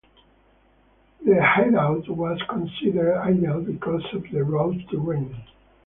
The hideout was considered ideal because of the rough terrain.